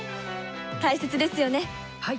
大切ですよね。